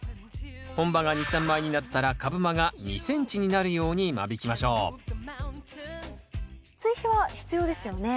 本葉が２３枚になったら株間が２ｃｍになるように間引きましょう追肥は必要ですよね？